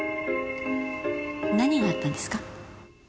何があったんですか？